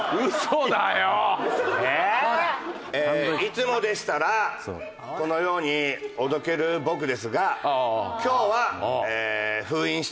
いつもでしたらこのようにおどける僕ですが今日は封印したいと思います。